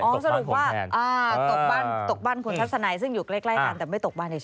อ๋อสรุปว่าตกบ้านคุณชัดสนัยซึ่งอยู่ใกล้กันแต่ไม่ตกบ้านในชั้น